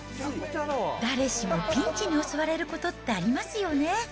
誰しもピンチに襲われることってありますよね。